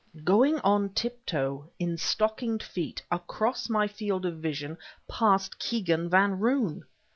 Going on tiptoe, in stockinged feet, across my field of vision, passed Kegan Van Roon!